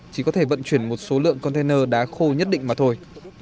chỉ có thể vận chuyển một số lượng container đá khô nhất định mà thôi